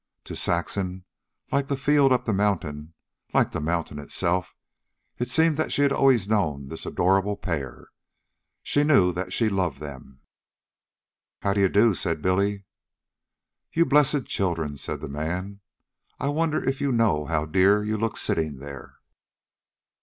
To Saxon, like the field up the mountain, like the mountain itself, it seemed that she had always known this adorable pair. She knew that she loved them. "How d'ye do," said Billy. "You blessed children," said the man. "I wonder if you know how dear you look sitting there."